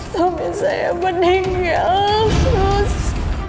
suami saya meninggal sus